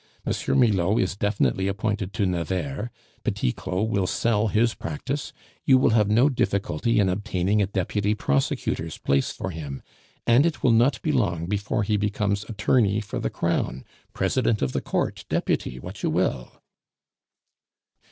M. Milaud is definitely appointed to Nevers, Petit Claud will sell his practice, you will have no difficulty in obtaining a deputy public prosecutor's place for him; and it will not be long before he becomes attorney for the crown, president of the court, deputy, what you will."